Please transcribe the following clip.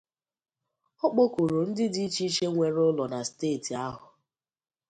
Ọ kpọkùrù ndị dị iche iche nwere ụlọ na steeti ahụ